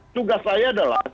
tugas saya adalah